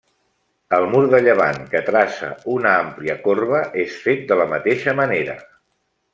El mur de llevant, que traça una àmplia corba, és fet de la mateixa manera.